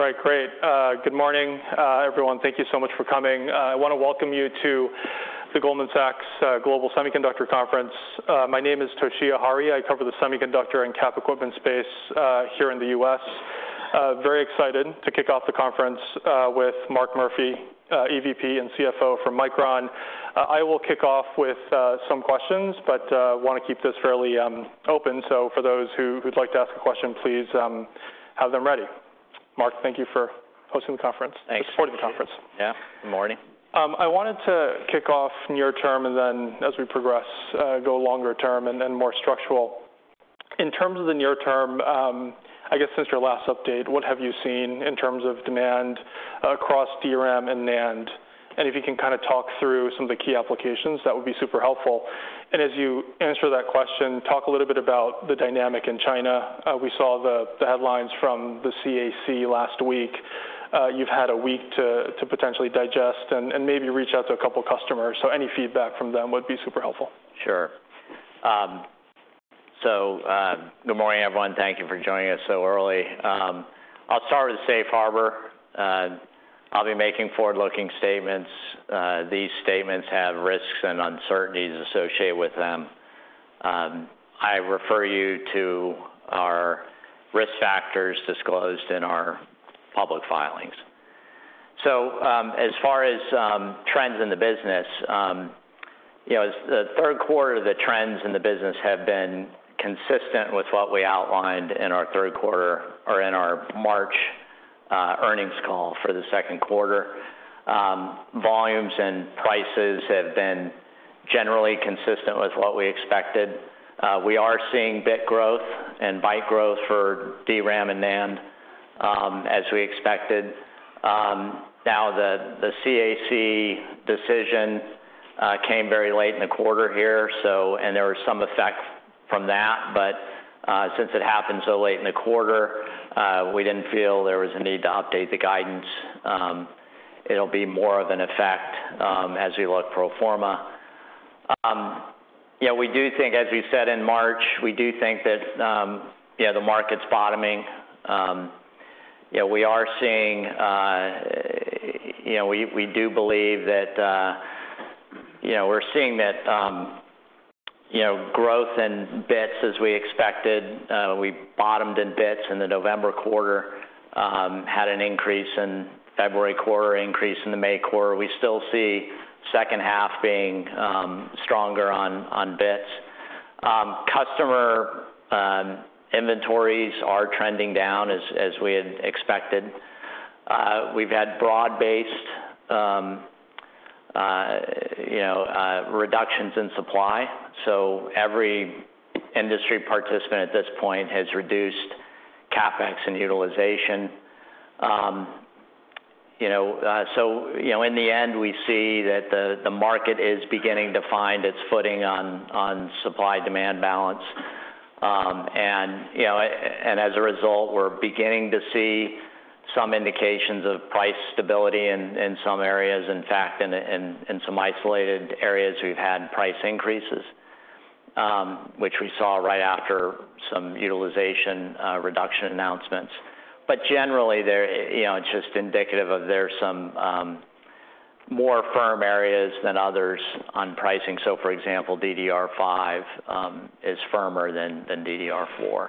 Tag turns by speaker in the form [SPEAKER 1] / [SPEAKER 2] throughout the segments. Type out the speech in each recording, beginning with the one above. [SPEAKER 1] All right, great. Good morning, everyone. Thank you so much for coming. I want to welcome you to the Goldman Sachs Global Semiconductor Conference. My name is Toshiya Hari. I cover the semiconductor and cap equipment space here in the U.S. Very excited to kick off the conference with Mark Murphy, EVP and CFO for Micron. I will kick off with some questions, but want to keep this fairly open. For those who'd like to ask a question, please have them ready. Mark, thank you for hosting the conference.
[SPEAKER 2] Thanks.
[SPEAKER 1] for supporting the conference.
[SPEAKER 2] Yeah, good morning.
[SPEAKER 1] I wanted to kick off near term, and then as we progress, go longer term and then more structural. In terms of the near term, I guess since your last update, what have you seen in terms of demand across DRAM and NAND? If you can kind of talk through some of the key applications, that would be super helpful. As you answer that question, talk a little bit about the dynamic in China. We saw the headlines from the CAC last week. You've had a week to potentially digest and maybe reach out to a couple customers, so any feedback from them would be super helpful.
[SPEAKER 2] Sure. Good morning, everyone. Thank you for joining us so early. I'll start with the safe harbor. I'll be making forward-looking statements. These statements have risks and uncertainties associated with them. I refer you to our risk factors disclosed in our public filings. As far as trends in the business, the trends in the business have been consistent with what we outlined in our third quarter or in our March earnings call for the second quarter. Volumes and prices have been generally consistent with what we expected. We are seeing bit growth and byte growth for DRAM and NAND as we expected. Now, the CAC decision came very late in the quarter here, and there was some effect from that. Since it happened so late in the quarter, we didn't feel there was a need to update the guidance. It'll be more of an effect as we look pro forma. Yeah, we do think, as we said in March, we do think that, yeah, the market's bottoming. You know, we are seeing... You know, we do believe that, you know, we're seeing that, you know, growth in bits as we expected. We bottomed in bits in the November quarter, had an increase in February quarter, increase in the May quarter. We still see second half being stronger on bits. Customer, inventories are trending down as we had expected. We've had broad-based, you know, reductions in supply, so every industry participant at this point has reduced CapEx and utilization. You know, in the end, we see that the market is beginning to find its footing on supply-demand balance. You know, and as a result, we're beginning to see some indications of price stability in some areas. In fact, in some isolated areas, we've had price increases, which we saw right after some utilization reduction announcements. Generally, there, you know, it's just indicative of there are some more firm areas than others on pricing. For example, DDR5 is firmer than DDR4.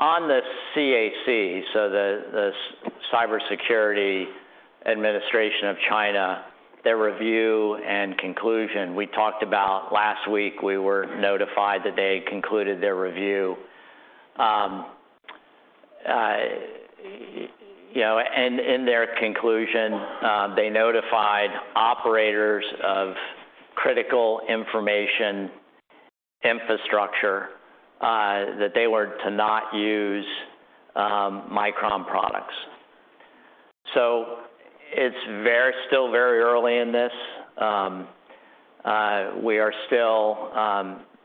[SPEAKER 2] On the CAC, the Cyberspace Administration of China, their review and conclusion, we talked about last week, we were notified that they concluded their review. You know, in their conclusion, they notified operators of critical information infrastructure that they were to not use Micron products. It's still very early in this. We are still,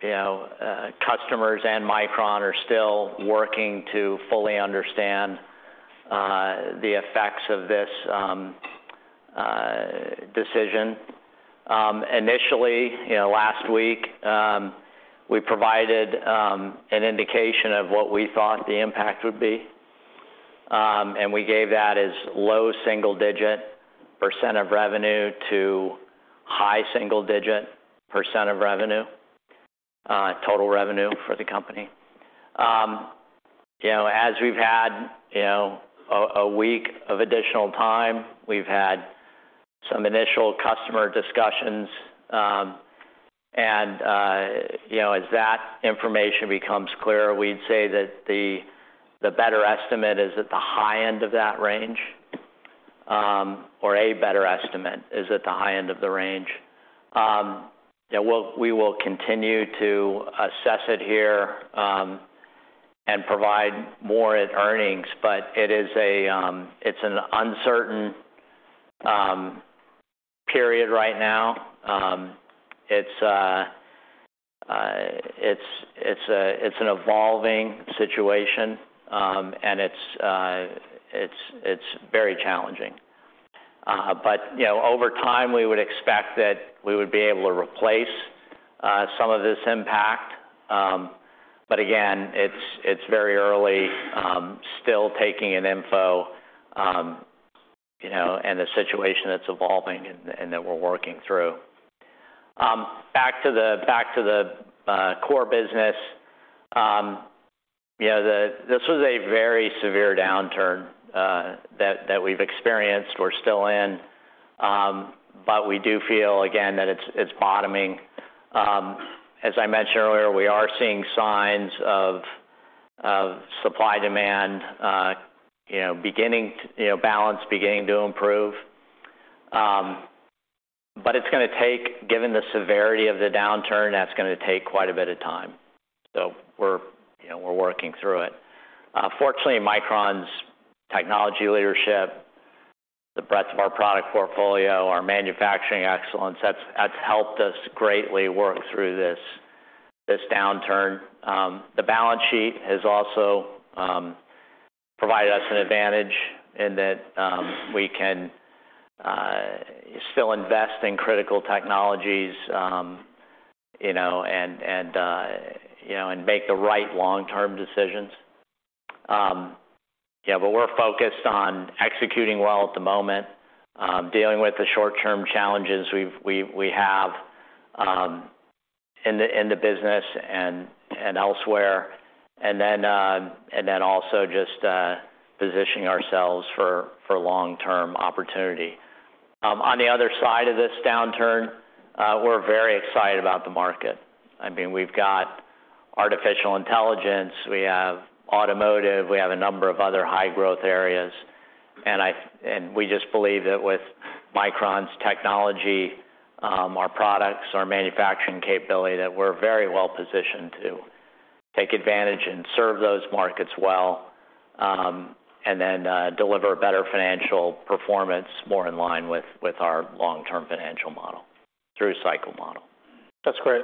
[SPEAKER 2] you know, customers and Micron are still working to fully understand the effects of this decision. Initially, you know, last week, we provided an indication of what we thought the impact would be, we gave that as low single-digit percent of revenue to high single-digit percent of revenue, total revenue for the company. You know, as we've had, you know, a week of additional time, we've had some initial customer discussions. You know, as that information becomes clearer, we'd say that the better estimate is at the high end of that range, or a better estimate is at the high end of the range. Yeah, we will continue to assess it here, and provide more at earnings, but it is a, it's an uncertain period right now. It's an evolving situation, and it's very challenging. You know, over time, we would expect that we would be able to replace some of this impact. Again, it's very early, still taking in info, you know, and the situation that's evolving and that we're working through. Back to the core business. You know, this was a very severe downturn that we've experienced. We're still in, but we do feel, again, that it's bottoming. As I mentioned earlier, we are seeing signs of supply-demand, you know, balance beginning to improve. Given the severity of the downturn, that's gonna take quite a bit of time. You know, we're working through it. Fortunately, Micron's technology leadership, the breadth of our product portfolio, our manufacturing excellence, that's helped us greatly work through this downturn. The balance sheet has also provided us an advantage in that we can still invest in critical technologies, you know, and make the right long-term decisions. We're focused on executing well at the moment, dealing with the short-term challenges we have in the business and elsewhere, and then also just positioning ourselves for long-term opportunity. On the other side of this downturn, we're very excited about the market. I mean, we've got artificial intelligence, we have automotive, we have a number of other high-growth areas. We just believe that with Micron's technology, our products, our manufacturing capability, that we're very well positioned to take advantage and serve those markets well, and then deliver a better financial performance more in line with our long-term financial model, through cycle model.
[SPEAKER 1] That's great.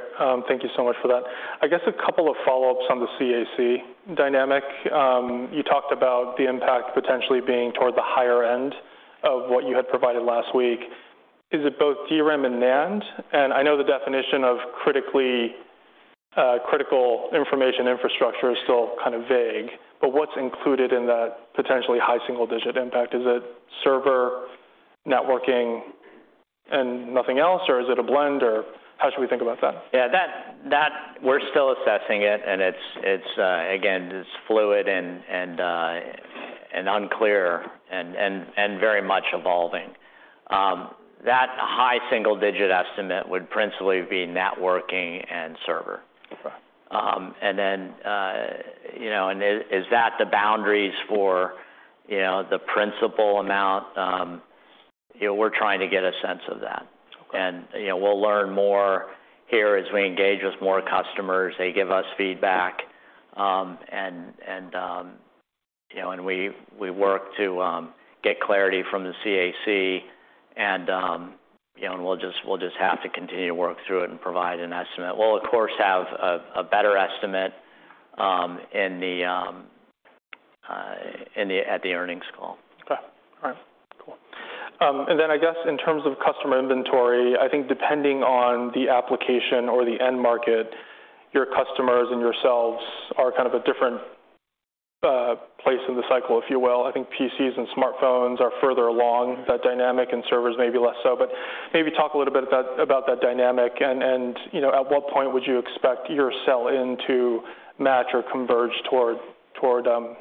[SPEAKER 1] Thank you so much for that. I guess a couple of follow-ups on the CAC dynamic. You talked about the impact potentially being toward the higher end of what you had provided last week. Is it both DRAM and NAND? I know the definition of critically, critical information infrastructure is still kind of vague, but what's included in that potentially high single-digit impact? Is it server, networking, and nothing else, or is it a blend, or how should we think about that?
[SPEAKER 2] Yeah, we're still assessing it. It's again, it's fluid and unclear and very much evolving. That high single-digit estimate would principally be networking and server.
[SPEAKER 1] Okay.
[SPEAKER 2] You know, and is that the boundaries for, you know, the principal amount? You know, we're trying to get a sense of that.
[SPEAKER 1] Okay.
[SPEAKER 2] You know, we'll learn more here as we engage with more customers, they give us feedback, and you know, we work to get clarity from the CAC, and you know, we'll just have to continue to work through it and provide an estimate. We'll, of course, have a better estimate at the earnings call.
[SPEAKER 1] Okay. All right, cool. I guess in terms of customer inventory, I think depending on the application or the end market, your customers and yourselves are kind of a different place in the cycle, if you will. I think PCs and smartphones are further along that dynamic, and servers may be less so. Maybe talk a little bit about that dynamic, and, you know, at what point would you expect your sell-in to match or converge toward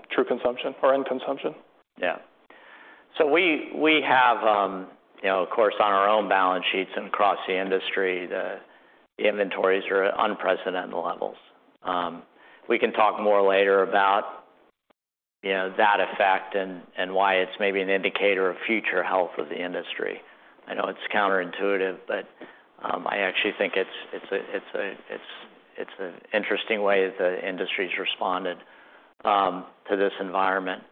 [SPEAKER 1] true consumption or end consumption?
[SPEAKER 2] Yeah. We have, you know, of course, on our own balance sheets and across the industry, the inventories are at unprecedented levels. We can talk more later about, you know, that effect and why it's maybe an indicator of future health of the industry. I know it's counterintuitive, I actually think it's an interesting way the industry's responded to this environment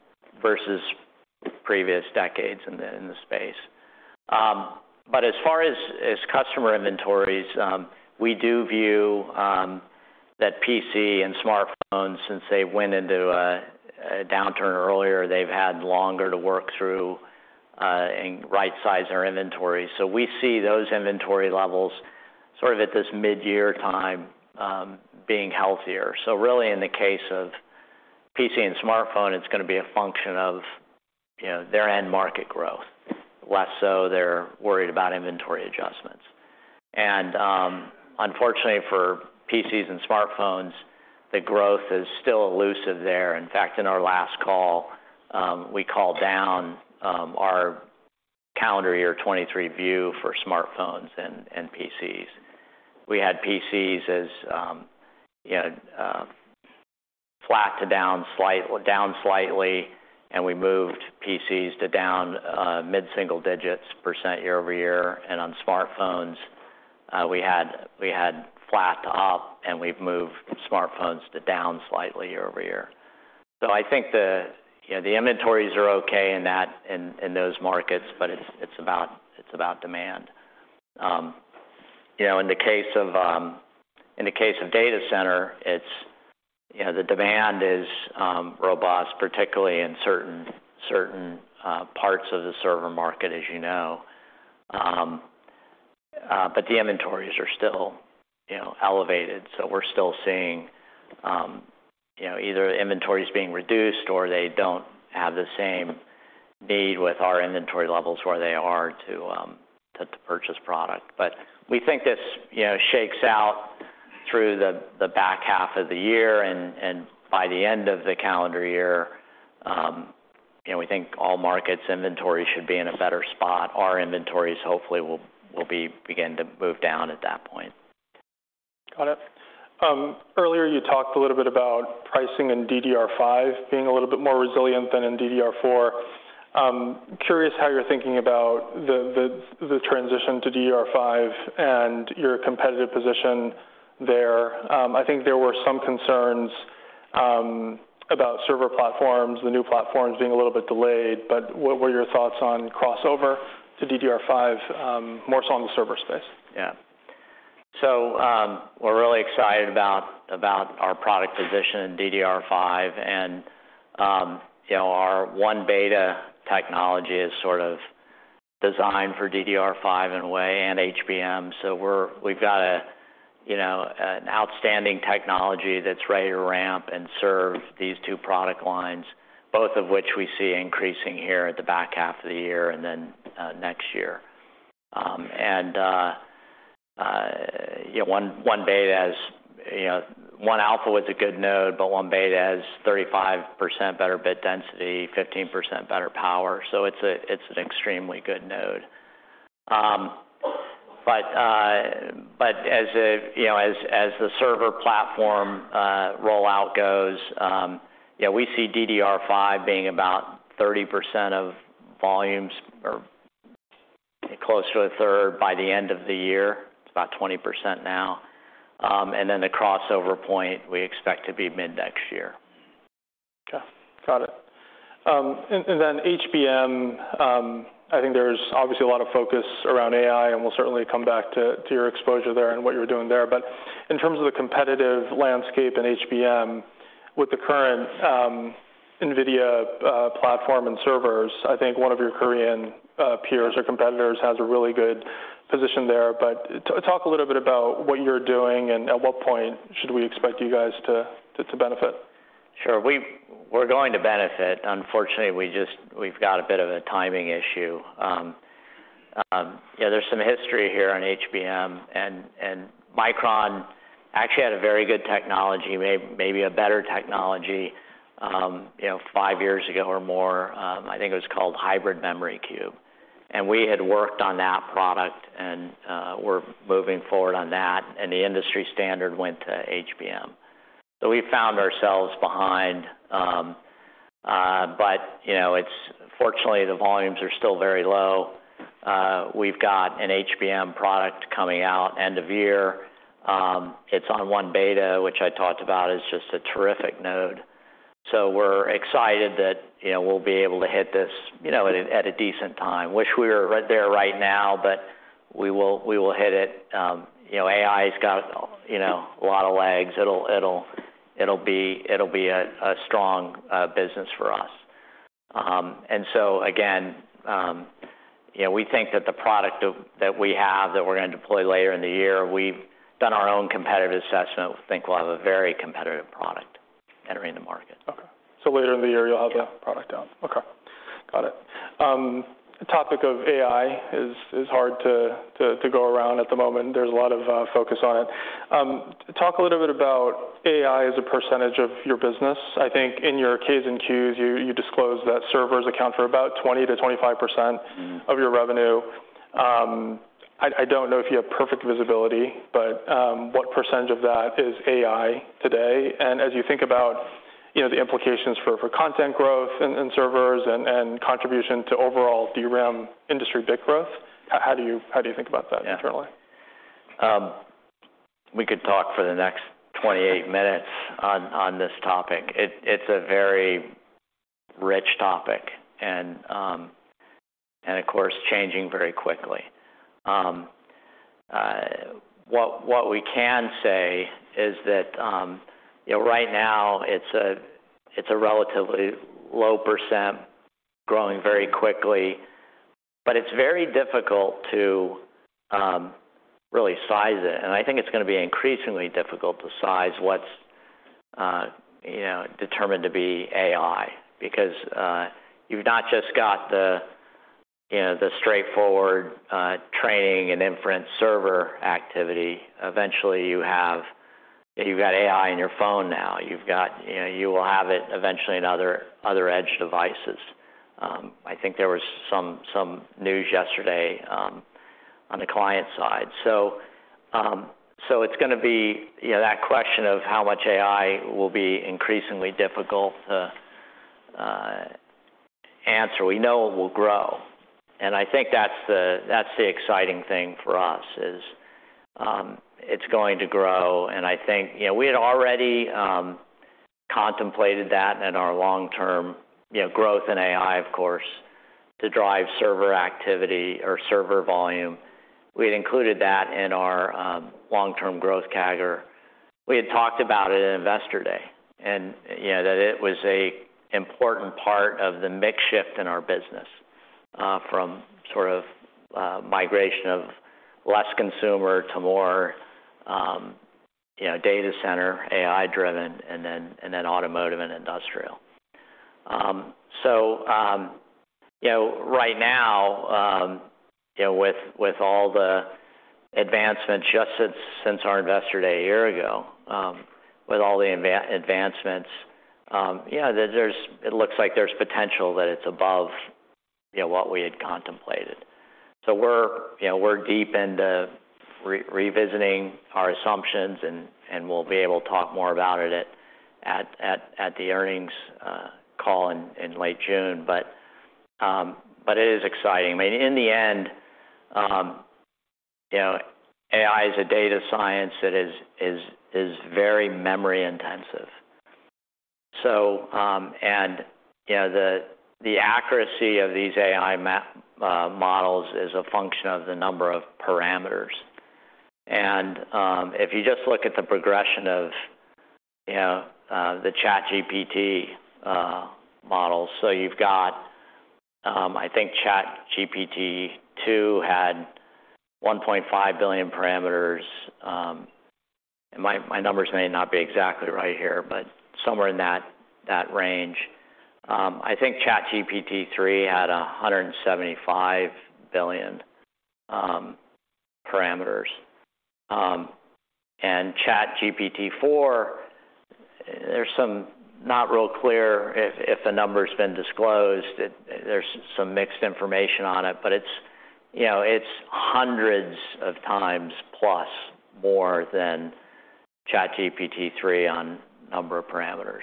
[SPEAKER 2] versus previous decades in the space. As far as customer inventories, we do view that PC and smartphones, since they went into a downturn earlier, they've had longer to work through and rightsize their inventory. We see those inventory levels sort of at this midyear time, being healthier. Really, in the case of PC and smartphone, it's gonna be a function of, you know, their end market growth. Less so they're worried about inventory adjustments. Unfortunately for PCs and smartphones, the growth is still elusive there. In fact, in our last call, we called down our calendar year 2023 view for smartphones and PCs. We had PCs as, you know, flat to down slightly, and we moved PCs to down mid-single digits percent year-over-year. On smartphones, we had flat to up, and we've moved smartphones to down slightly year-over-year. I think the, you know, the inventories are okay in those markets, but it's about demand. You know, in the case of, in the case of data center, it's, you know, the demand is robust, particularly in certain parts of the server market, as you know. The inventories are still, you know, elevated, so we're still seeing, you know, either inventories being reduced or they don't have the same need with our inventory levels where they are to purchase product. We think this, you know, shakes out through the back half of the year, and by the end of the calendar year, you know, we think all markets' inventory should be in a better spot. Our inventories, hopefully, will begin to move down at that point.
[SPEAKER 1] Got it. Earlier, you talked a little bit about pricing in DDR5 being a little bit more resilient than in DDR4. Curious how you're thinking about the transition to DDR5 and your competitive position there. I think there were some concerns about server platforms, the new platforms being a little bit delayed, but what were your thoughts on crossover to DDR5, more so on the server space?
[SPEAKER 2] Yeah. We're really excited about our product position in DDR5 and, you know, our 1β technology is sort of designed for DDR5 in a way, and HBM. We've got a, you know, an outstanding technology that's ready to ramp and serve these two product lines, both of which we see increasing here at the back half of the year and then next year. You know, 1β has, you know, 1α was a good node, but 1β has 35% better bit density, 15% better power, so it's a, it's an extremely good node. As a, you know, as the server platform rollout goes, yeah, we see DDR5 being about 30% of volumes or close to 1/3 by the end of the year. It's about 20% now. The crossover point, we expect to be mid-next year.
[SPEAKER 1] Okay, got it. Then HBM, I think there's obviously a lot of focus around AI, and we'll certainly come back to your exposure there and what you're doing there. Talk a little bit about what you're doing, and at what point should we expect you guys to benefit?
[SPEAKER 2] Sure. We're going to benefit. Unfortunately, we've got a bit of a timing issue. Yeah, there's some history here on HBM, and Micron actually had a very good technology, maybe a better technology, you know, five years ago or more. I think it was called Hybrid Memory Cube. We had worked on that product, and we're moving forward on that, and the industry standard went to HBM. We found ourselves behind, but, you know, fortunately, the volumes are still very low. We've got an HBM product coming out end of year. It's on 1β, which I talked about, is just a terrific node. We're excited that, you know, we'll be able to hit this, you know, at a decent time. Wish we were right there right now, but we will, we will hit it. You know, AI's got, you know, a lot of legs. It'll be a strong business for us. Again, you know, we think that the product that we have, that we're gonna deploy later in the year, we've done our own competitive assessment. We think we'll have a very competitive product entering the market.
[SPEAKER 1] Okay. later in the year, you'll have.
[SPEAKER 2] Yeah...
[SPEAKER 1] the product out. Okay, got it. The topic of AI is hard to go around at the moment. There's a lot of focus on it. Talk a little bit about AI as a percentage of your business. I think in your K's and Q's, you disclosed that servers account for about 20%-25%-
[SPEAKER 2] Mm-hmm
[SPEAKER 1] of your revenue. I don't know if you have perfect visibility, but, what percent of that is AI today? As you think about, you know, the implications for content growth in servers and contribution to overall DRAM industry bit growth, how do you think about that internally?
[SPEAKER 2] We could talk for the next 28 minutes on this topic. It, it's a very rich topic and of course, changing very quickly. What, what we can say is that, you know, right now, it's a, it's a relatively low percent, growing very quickly, but it's very difficult to, really size it. I think it's gonna be increasingly difficult to size what's, you know, determined to be AI. Because, you've not just got the, you know, the straightforward, training and inference server activity. Eventually, you've got AI in your phone now. You know, you will have it eventually in other edge devices. I think there was some news yesterday, on the client side. It's gonna be, you know, that question of how much AI will be increasingly difficult to answer. We know it will grow, and I think that's the, that's the exciting thing for us, is, it's going to grow. I think, you know, we had already contemplated that in our long-term, you know, growth in AI, of course, to drive server activity or server volume. We had included that in our long-term growth CAGR. We had talked about it in Investor Day, and, you know, that it was a important part of the mix shift in our business, from sort of, migration of less consumer to more, you know, data center, AI-driven, and then automotive and industrial. You know, right now, you know, with all the advancements just since our Investor Day a year ago, with all the advancements, it looks like there's potential that it's above, you know, what we had contemplated. We're, you know, we're deep into revisiting our assumptions, and we'll be able to talk more about it at the earnings call in late June. It is exciting. I mean, in the end, you know, AI is a data science that is very memory-intensive. You know, the accuracy of these AI models is a function of the number of parameters. If you just look at the progression of, you know, the ChatGPT models, you've got, I think ChatGPT-2 had 1.5 billion parameters. My numbers may not be exactly right here, but somewhere in that range. I think ChatGPT-3 had 175 billion parameters. ChatGPT-4, there's some not real clear if the number's been disclosed. There's some mixed information on it, but it's, you know, hundreds of times plus more than ChatGPT-3 on number of parameters.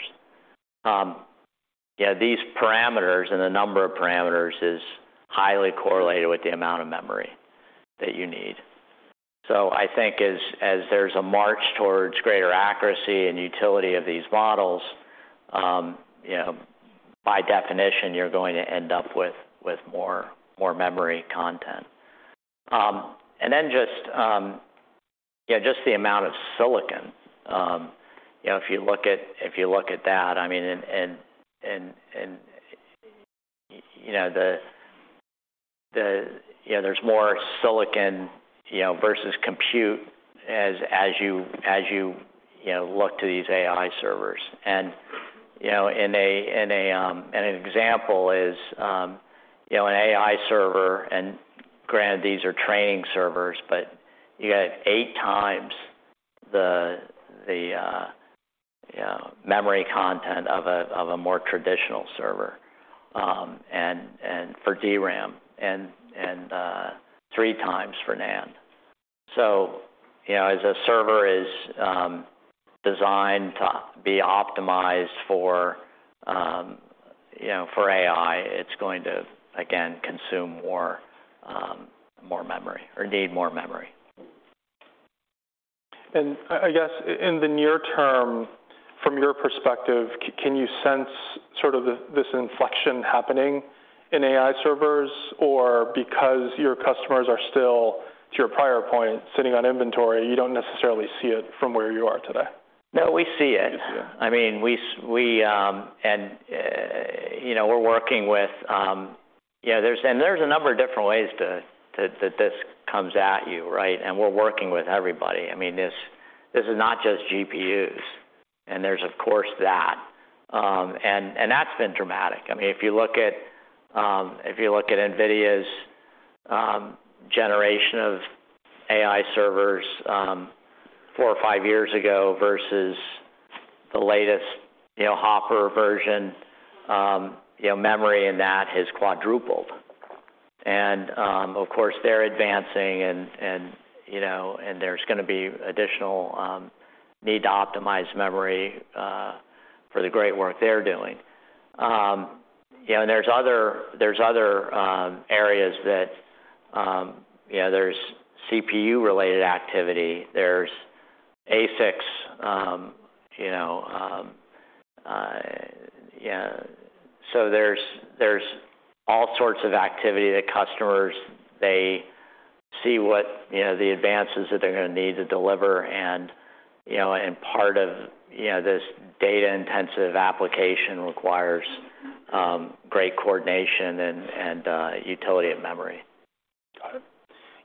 [SPEAKER 2] These parameters and the number of parameters is highly correlated with the amount of memory that you need. I think as there's a march towards greater accuracy and utility of these models, you know, by definition, you're going to end up with more memory content. Just, yeah, just the amount of silicon. You know, if you look at that, I mean, and, you know, the, you know, there's more silicon, you know, versus compute as you know, look to these AI servers. You know, in a, and an example is, you know, an AI server, and granted, these are training servers, but you got 8x the, you know, memory content of a more traditional server, and for DRAM, and 3x for NAND. You know, as a server is, designed to be optimized for, you know, for AI, it's going to, again, consume more, more memory or need more memory.
[SPEAKER 1] I guess in the near term, from your perspective, can you sense sort of this inflection happening in AI servers? Or because your customers are still, to your prior point, sitting on inventory, you don't necessarily see it from where you are today?
[SPEAKER 2] No, we see it.
[SPEAKER 1] You see it.
[SPEAKER 2] I mean, we, you know, we're working with, there's a number of different ways to, that this comes at you, right? We're working with everybody. I mean, this is not just GPUs, and there's, of course, that. That's been dramatic. I mean, if you look at, if you look at NVIDIA's generation of AI servers, four or five years ago versus the latest, you know, Hopper version, you know, memory in that has quadrupled. Of course, they're advancing and, you know, there's gonna be additional need to optimize memory for the great work they're doing. You know, there's other areas that, you know, there's CPU-related activity, there's ASICs. You know, yeah. There's all sorts of activity that customers, they see what, you know, the advances that they're gonna need to deliver. You know, and part of, you know, this data-intensive application requires great coordination and utility of memory.
[SPEAKER 1] Got it.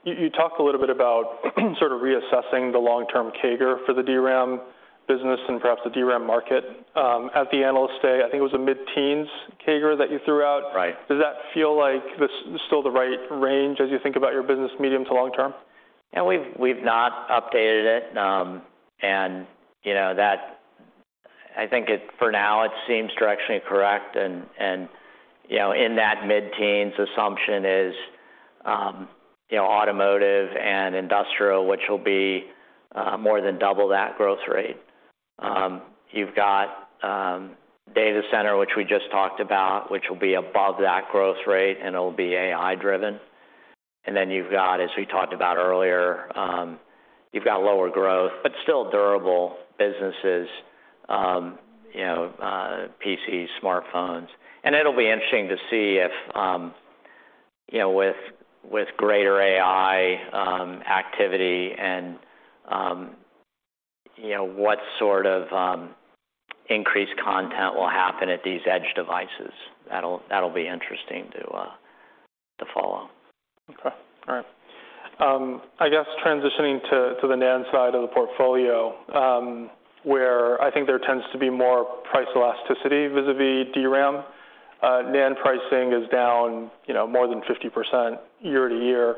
[SPEAKER 1] You talked a little bit about sort of reassessing the long-term CAGR for the DRAM business and perhaps the DRAM market. At the Analyst Day, I think it was a mid-teens CAGR that you threw out.
[SPEAKER 2] Right.
[SPEAKER 1] Does that feel like this is still the right range as you think about your business medium to long term?
[SPEAKER 2] Yeah, we've not updated it. You know, I think it, for now, it seems directionally correct. You know, in that mid-teens assumption is, you know, automotive and industrial, which will be more than double that growth rate. You've got data center, which we just talked about, which will be above that growth rate, and it'll be AI-driven. You've got, as we talked about earlier, you've got lower growth, but still durable businesses, you know, PCs, smartphones. It'll be interesting to see if, you know, with greater AI activity and, you know, what sort of increased content will happen at these edge devices. That'll be interesting to follow.
[SPEAKER 1] Okay. All right. I guess transitioning to the NAND side of the portfolio, where I think there tends to be more price elasticity vis-a-vis DRAM. NAND pricing is down, you know, more than 50% year-to-year.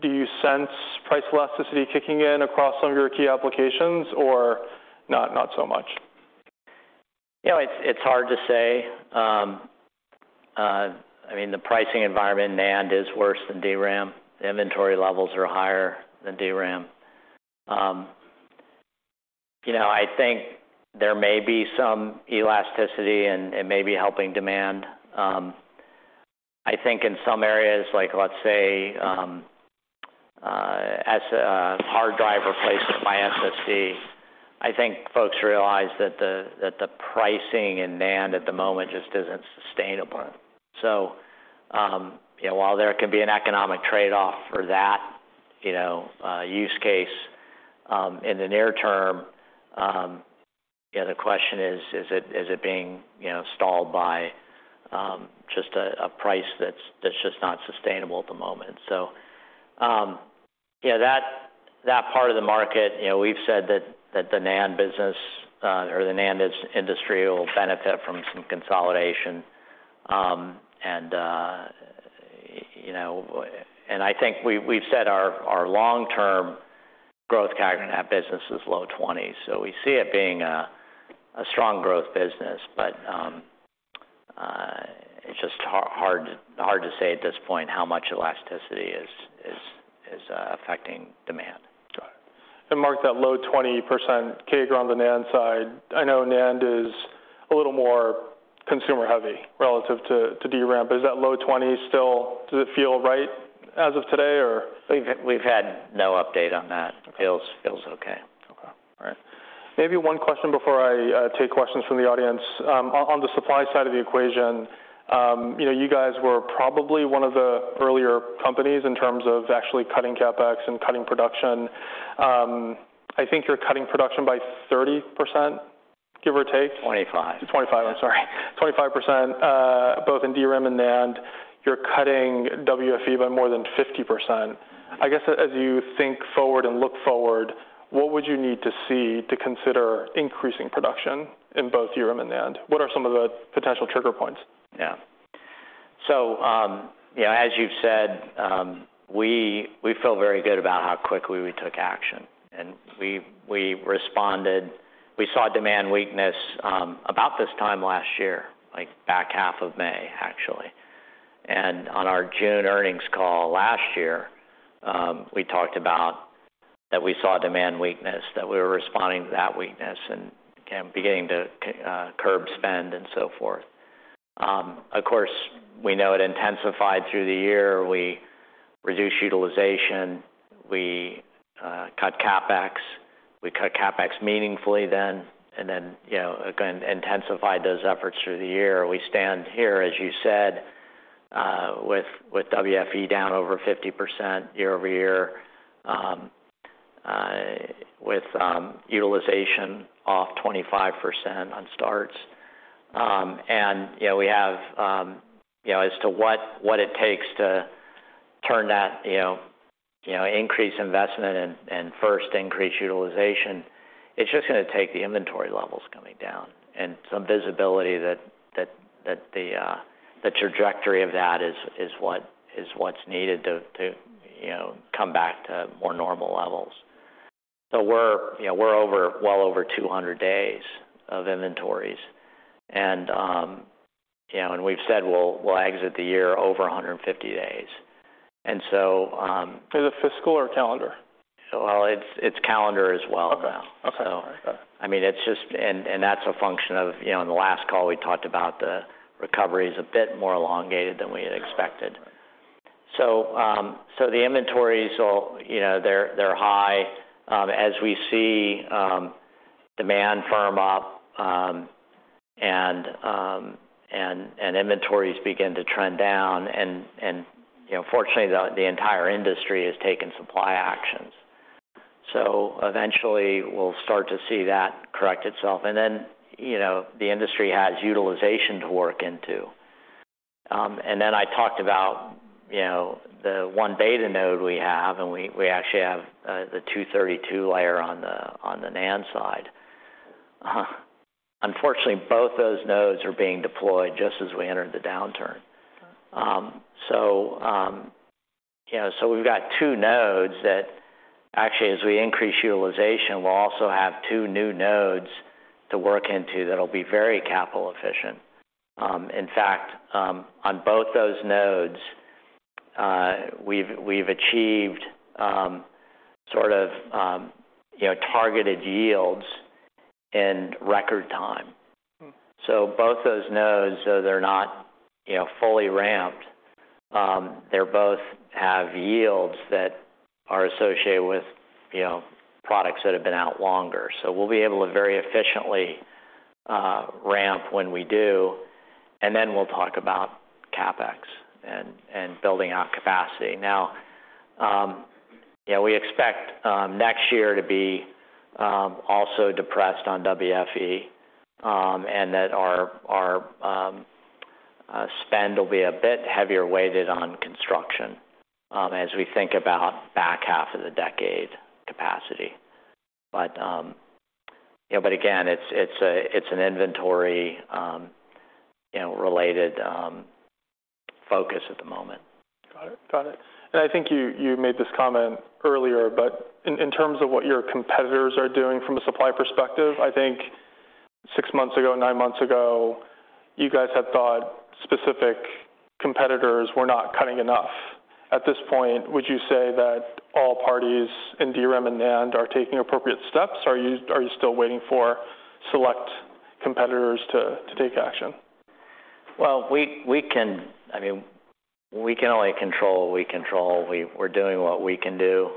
[SPEAKER 1] Do you sense price elasticity kicking in across some of your key applications, or not so much?
[SPEAKER 2] You know, it's hard to say. The pricing environment in NAND is worse than DRAM. Inventory levels are higher than DRAM. You know, I think there may be some elasticity and may be helping demand. I think in some areas, like, let's say, as a hard drive replacement by SSD, I think folks realize that the pricing in NAND at the moment just isn't sustainable. You know, while there can be an economic trade-off for that, you know, use case, in the near term, you know, the question is: Is it being, you know, stalled by just a price that's not sustainable at the moment? Yeah, that part of the market, you know, we've said that the NAND business, or the NAND industry will benefit from some consolidation. You know, I think we've said our long-term growth CAGR in that business is low 20%, so we see it being a strong growth business. It's just hard to say at this point how much elasticity is affecting demand.
[SPEAKER 1] Got it. Mark, that low 20% CAGR on the NAND side, I know NAND is a little more consumer-heavy relative to DRAM, does it feel right as of today, or?
[SPEAKER 2] We've had no update on that.
[SPEAKER 1] Okay.
[SPEAKER 2] Feels okay.
[SPEAKER 1] Okay. All right. Maybe one question before I take questions from the audience. On, on the supply side of the equation, you know, you guys were probably one of the earlier companies in terms of actually cutting CapEx and cutting production. I think you're cutting production by 30%, give or take?
[SPEAKER 2] 25%.
[SPEAKER 1] 25%, I'm sorry. 25%, both in DRAM and NAND. You're cutting WFE by more than 50%. I guess, as you think forward and look forward, what would you need to see to consider increasing production in both DRAM and NAND? What are some of the potential trigger points?
[SPEAKER 2] Yeah. You know, as you've said, we feel very good about how quickly we took action, and we responded. We saw demand weakness, about this time last year, like, back half of May, actually. On our June earnings call last year, we talked about that we saw demand weakness, that we were responding to that weakness and beginning to curb spend and so forth. Of course, we know it intensified through the year. We reduced utilization, we cut CapEx. We cut CapEx meaningfully then, and then, you know, again, intensified those efforts through the year. We stand here, as you said, with WFE down over 50% year-over-year, with utilization off 25% on starts. You know, we have, you know, as to what it takes to turn that, you know, increase investment and first increase utilization, it's just gonna take the inventory levels coming down and some visibility that the trajectory of that is what's needed to, you know, come back to more normal levels. We're, you know, we're over, well over 200 days of inventories, and, you know, and we've said we'll exit the year over 150 days.
[SPEAKER 1] Is it fiscal or calendar?
[SPEAKER 2] Well, it's calendar as well now.
[SPEAKER 1] Okay.
[SPEAKER 2] So-
[SPEAKER 1] Okay.
[SPEAKER 2] I mean, it's just that's a function of, you know, in the last call, we talked about the recovery is a bit more elongated than we had expected. The inventories are, you know, they're high. As we see demand firm up, and inventories begin to trend down, and, you know, fortunately, the entire industry has taken supply actions. Eventually, we'll start to see that correct itself. You know, the industry has utilization to work into. I talked about, you know, the 1β node we have, and we actually have the 232-layer on the NAND side. Unfortunately, both those nodes are being deployed just as we entered the downturn. We've got two nodes that actually, as we increase utilization, we'll also have two new nodes to work into that'll be very capital efficient. In fact, on both those nodes, we've achieved targeted yields in record time. Both those nodes, though they're not fully ramped, they both have yields that are associated with products that have been out longer. We'll be able to very efficiently ramp when we do, and then we'll talk about CapEx and building out capacity. We expect next year to be also depressed on WFE, and that our spend will be a bit heavier weighted on construction as we think about back half of the decade capacity. You know, but again, it's a, it's an inventory, you know, related, focus at the moment.
[SPEAKER 1] Got it. Got it. I think you made this comment earlier, but in terms of what your competitors are doing from a supply perspective, I think 6 months ago, 9 months ago, you guys had thought specific competitors were not cutting enough. At this point, would you say that all parties in DRAM and NAND are taking appropriate steps, or are you still waiting for select competitors to take action?
[SPEAKER 2] Well, we, I mean, we can only control what we control. We're doing what we can do.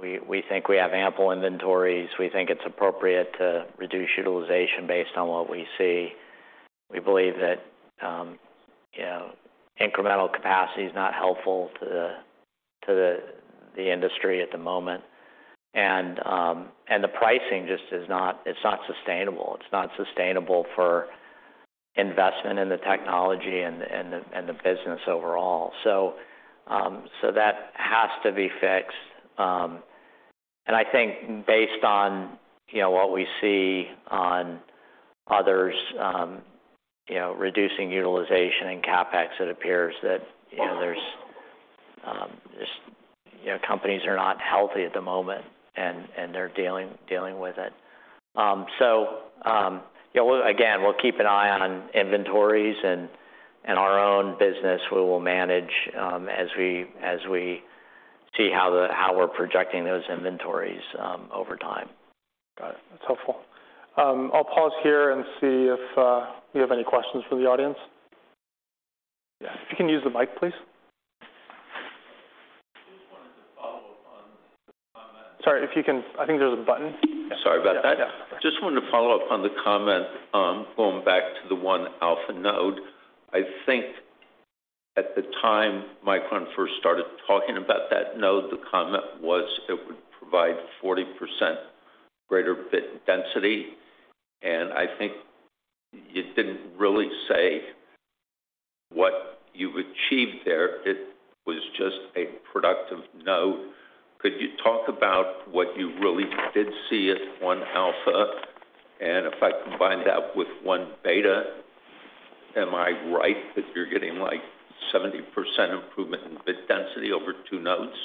[SPEAKER 2] We, we think we have ample inventories. We think it's appropriate to reduce utilization based on what we see. We believe that, you know, incremental capacity is not helpful to the industry at the moment. The pricing just is not, it's not sustainable. It's not sustainable for investment in the technology and the business overall. That has to be fixed. I think based on, you know, what we see on others, you know, reducing utilization and CapEx, it appears that, you know, there's, just, you know, companies are not healthy at the moment, and they're dealing with it. Yeah, we'll. We'll keep an eye on inventories, and our own business, we will manage, as we see how we're projecting those inventories, over time.
[SPEAKER 1] Got it. That's helpful. I'll pause here and see if you have any questions from the audience. Yeah, if you can use the mic, please.
[SPEAKER 3] I just wanted to follow up on that.
[SPEAKER 1] Sorry, if you can... I think there's a button.
[SPEAKER 3] Sorry about that.
[SPEAKER 1] Yeah, yeah.
[SPEAKER 3] Just wanted to follow up on the comment, going back to the 1α node. I think at the time Micron first started talking about that node, the comment was it would provide 40% greater bit density, and I think you didn't really say what you've achieved there. It was just a productive node. Could you talk about what you really did see at 1α? If I combine that with 1β, am I right that you're getting, like, 70% improvement in bit density over two nodes?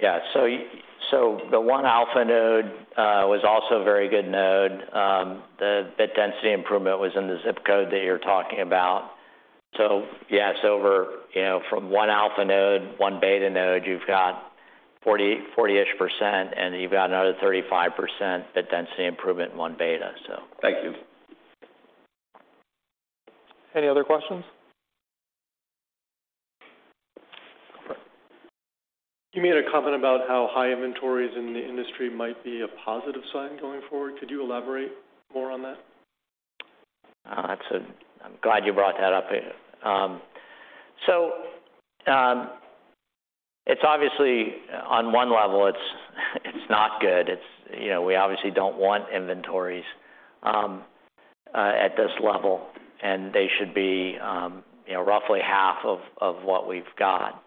[SPEAKER 2] Yeah. The 1α node was also a very good node. The bit density improvement was in the zip code that you're talking about. Yeah, it's over, you know, from 1α node, 1β node, you've got 40-ish%, and you've got another 35% bit density improvement in 1β, so.
[SPEAKER 3] Thank you.
[SPEAKER 1] Any other questions? You made a comment about how high inventories in the industry might be a positive sign going forward. Could you elaborate more on that?
[SPEAKER 2] That's a... I'm glad you brought that up. It's obviously, on one level, it's not good. It's, you know, we obviously don't want inventories at this level, and they should be, you know, roughly half of what we've got.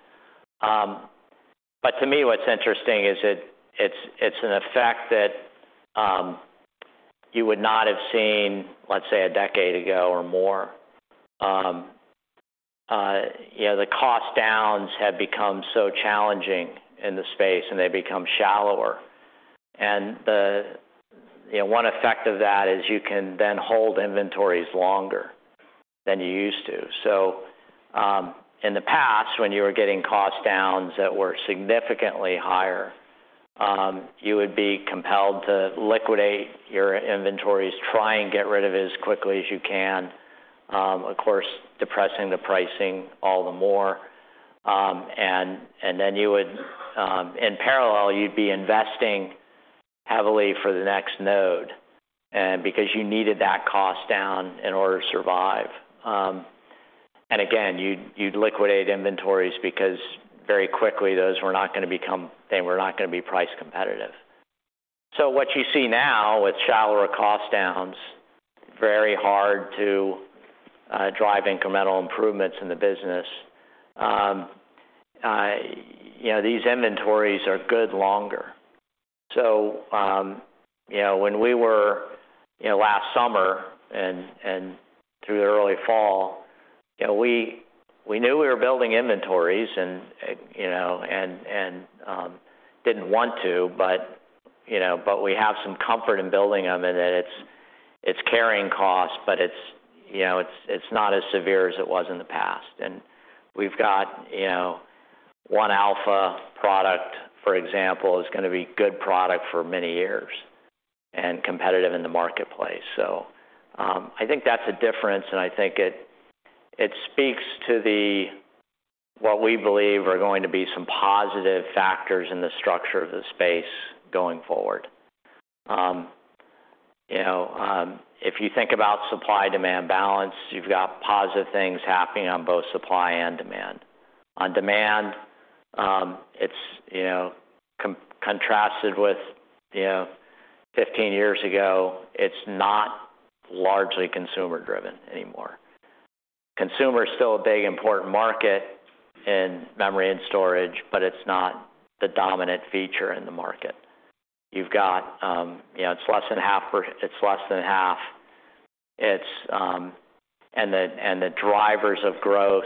[SPEAKER 2] To me, what's interesting is it's an effect that you would not have seen, let's say, a decade ago or more. You know, the cost downs have become so challenging in the space, and they've become shallower. The, you know, one effect of that is you can then hold inventories longer than you used to. In the past, when you were getting cost downs that were significantly higher, you would be compelled to liquidate your inventories, try and get rid of it as quickly as you can, of course, depressing the pricing all the more. And then you would, in parallel, you'd be investing heavily for the next node, and because you needed that cost down in order to survive. And again, you'd liquidate inventories because very quickly those were not gonna be price competitive. What you see now with shallower cost downs, very hard to drive incremental improvements in the business. You know, these inventories are good longer. You know, when we were, you know, last summer and through the early fall, you know, we knew we were building inventories and, you know, and didn't want to, but, you know, but we have some comfort in building them, and it's carrying costs, but it's, you know, it's not as severe as it was in the past. We've got, you know 1α product, for example, is gonna be good product for many years, and competitive in the marketplace. I think that's a difference, and I think it speaks to the, what we believe are going to be some positive factors in the structure of the space going forward. You know, if you think about supply-demand balance, you've got positive things happening on both supply and demand. On demand, it's, you know, contrasted with, you know, 15 years ago, it's not largely consumer-driven anymore. Consumer is still a big, important market in memory and storage, but it's not the dominant feature in the market. You've got, you know, it's less than half. It's, and the, and the drivers of growth,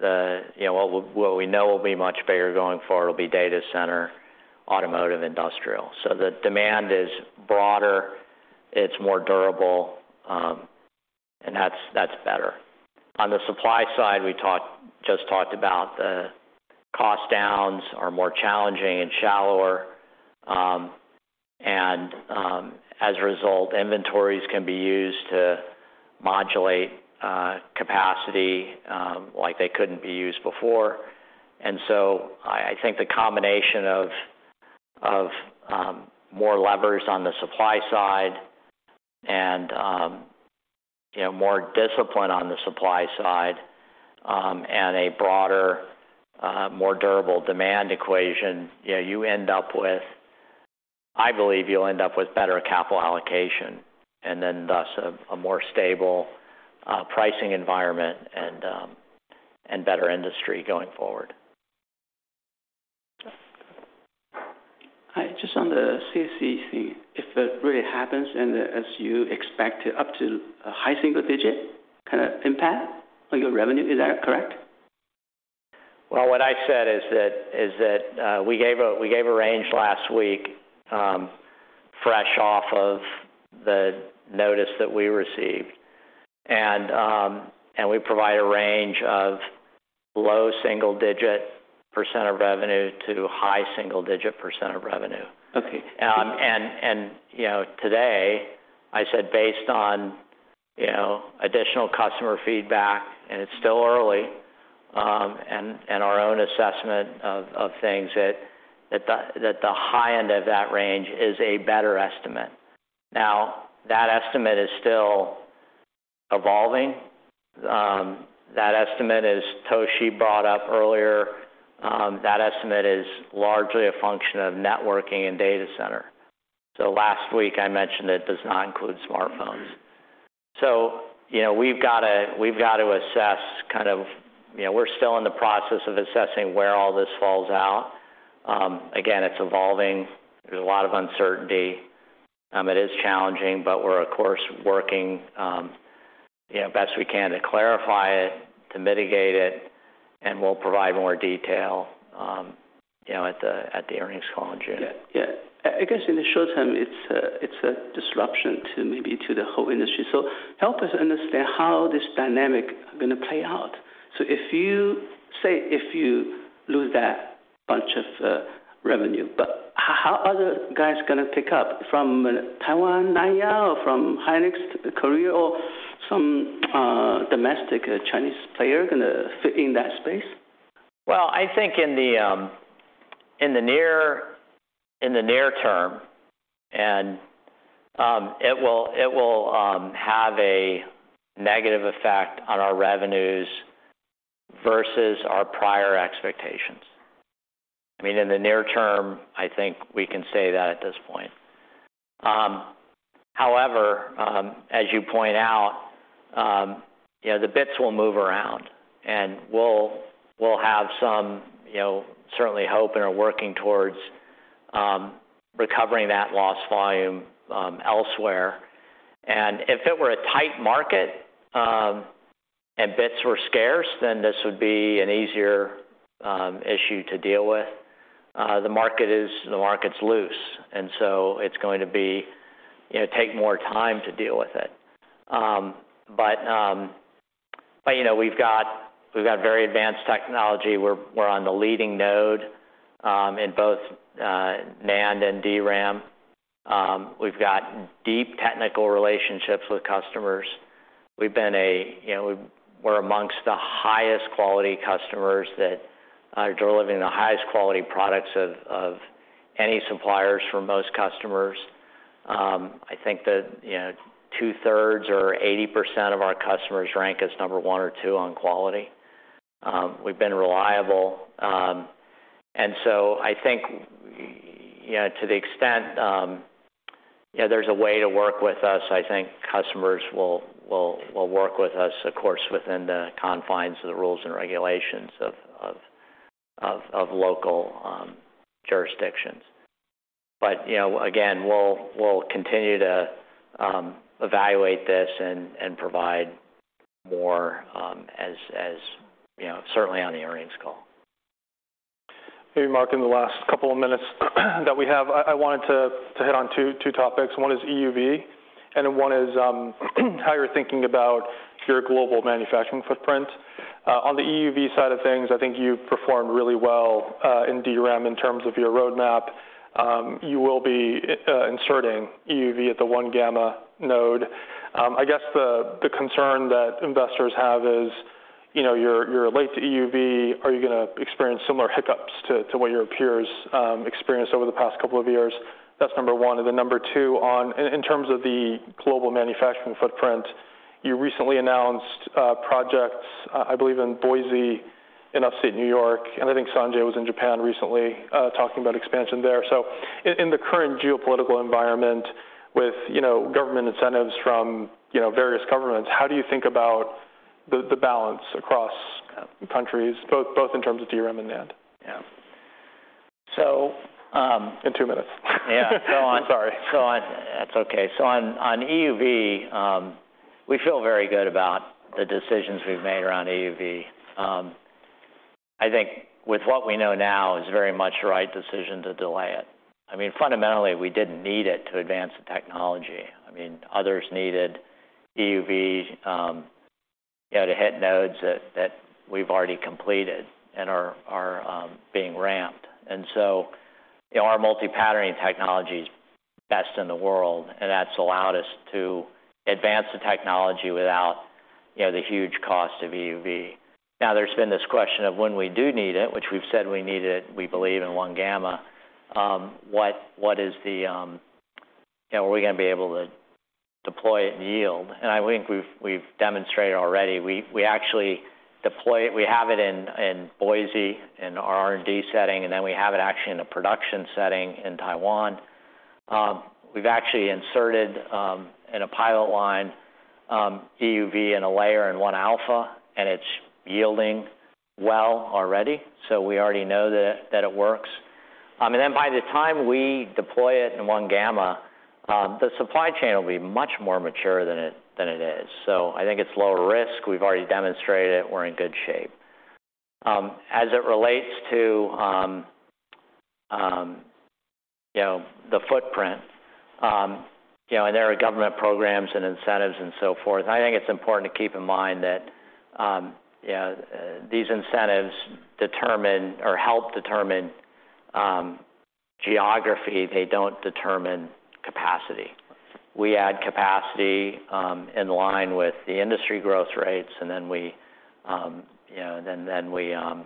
[SPEAKER 2] the, you know, what we know will be much bigger going forward will be data center, automotive, industrial. The demand is broader, it's more durable, and that's better. On the supply side, we just talked about the cost downs are more challenging and shallower. As a result, inventories can be used to modulate capacity, like they couldn't be used before. I think the combination of more levers on the supply side and, you know, more discipline on the supply side, and a broader, more durable demand equation, yeah, I believe you'll end up with better capital allocation, and then, thus, a more stable pricing environment and better industry going forward.
[SPEAKER 3] Hi, just on the CAC, if it really happens, and, as you expect it up to a high single digit kind of impact on your revenue, is that correct?
[SPEAKER 2] Well, what I said is that we gave a range last week, fresh off of the notice that we received. We provide a range of low single-digit percent of revenue to high single-digit percent of revenue.
[SPEAKER 3] Okay.
[SPEAKER 2] You know, today, I said, based on, you know, additional customer feedback, and it's still early, and our own assessment of things, that the high end of that range is a better estimate. Now, that estimate is still evolving. That estimate, as Toshi brought up earlier, that estimate is largely a function of networking and data center. Last week, I mentioned it does not include smartphones. You know, we've got to assess, you know, we're still in the process of assessing where all this falls out. Again, it's evolving. There's a lot of uncertainty. It is challenging, but we're of course, working, you know, best we can to clarify it, to mitigate it, and we'll provide more detail, you know, at the earnings call in June.
[SPEAKER 3] Yeah. Yeah. I guess in the short term, it's a disruption to maybe to the whole industry. Help us understand how this dynamic is gonna play out. If you say, if you lose that bunch of revenue, how are the guys gonna pick up, from Taiwan, Nanya, or from SK hynix, Korea, or some domestic Chinese player gonna fit in that space?
[SPEAKER 2] Well, I think in the near term, it will have a negative effect on our revenues versus our prior expectations. I mean, in the near term, I think we can say that at this point. However, as you point out, you know, the bits will move around, and we'll have some, you know, certainly hope and are working towards recovering that lost volume elsewhere. If it were a tight market, and bits were scarce, then this would be an easier issue to deal with. The market's loose, and so it's going to be, you know, take more time to deal with it. You know, we've got very advanced technology. We're on the leading node in both NAND and DRAM. We've got deep technical relationships with customers. You know, we're amongst the highest quality customers that are delivering the highest quality products of any suppliers for most customers. I think that, you know, 2/3 or 80% of our customers rank us number one or two on quality. We've been reliable. I think, you know, to the extent, you know, there's a way to work with us, I think customers will work with us, of course, within the confines of the rules and regulations of local jurisdictions. You know, again, we'll continue to evaluate this and provide more as, you know, certainly on the earnings call.
[SPEAKER 1] Maybe, Mark, in the last couple of minutes that we have, I wanted to hit on two topics. One is EUV, and then one is how you're thinking about your global manufacturing footprint. On the EUV side of things, I think you've performed really well in DRAM in terms of your roadmap. You will be inserting EUV at the 1γ node. I guess the concern that investors have is, you know, you're late to EUV. Are you gonna experience similar hiccups to what your peers experienced over the past couple of years? That's number one. Number two, in terms of the global manufacturing footprint, you recently announced projects, I believe in Boise, in upstate New York, and I think Sanjay was in Japan recently, talking about expansion there. In the current geopolitical environment with, you know, government incentives from, you know, various governments, how do you think about the balance across countries, both in terms of DRAM and NAND?
[SPEAKER 2] Yeah.
[SPEAKER 1] In two minutes.
[SPEAKER 2] Yeah.
[SPEAKER 1] I'm sorry.
[SPEAKER 2] That's okay. On EUV, we feel very good about the decisions we've made around EUV. I think with what we know now, it's very much the right decision to delay it. I mean, fundamentally, we didn't need it to advance the technology. I mean, others needed EUV, you know, to hit nodes that we've already completed and are being ramped. You know, our multi-patterning technology is the best in the world, and that's allowed us to advance the technology without, you know, the huge cost of EUV. There's been this question of when we do need it, which we've said we need it, we believe in 1γ, what is the... You know, are we gonna be able to deploy it in yield? I think we've demonstrated already, we actually deploy it. We have it in Boise, in our R&D setting, and then we have it actually in a production setting in Taiwan. We've actually inserted, in a pilot line, EUV in a layer in 1α, and it's yielding well already, so we already know that it works. Then by the time we deploy it in 1γ, the supply chain will be much more mature than it, than it is. I think it's lower risk. We've already demonstrated it. We're in good shape. As it relates to, you know, the footprint, you know, there are government programs and incentives and so forth, I think it's important to keep in mind that, you know, these incentives determine or help determine geography. They don't determine capacity. We add capacity, in line with the industry growth rates. Then we, you know, then we, you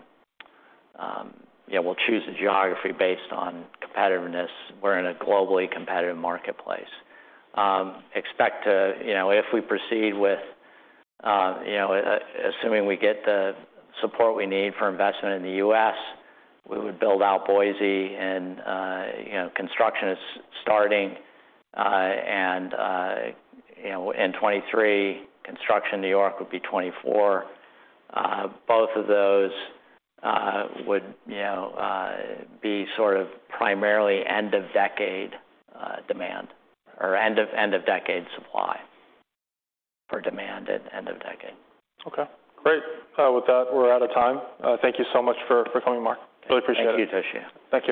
[SPEAKER 2] know, we'll choose a geography based on competitiveness. We're in a globally competitive marketplace. If we proceed with, you know, assuming we get the support we need for investment in the U.S., we would build out Boise. Construction is starting, and, you know, in 2023. Construction in New York would be 2024. Both of those, would, you know, be sort of primarily end-of-decade, demand or end-of-decade supply or demand at end of decade.
[SPEAKER 1] Okay, great. with that, we're out of time. thank you so much for coming, Mark. Really appreciate it.
[SPEAKER 2] Thank you, Toshiya.
[SPEAKER 1] Thank you.